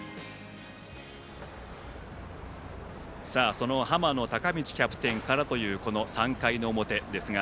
その浜野孝教キャプテンからという３回表ですが。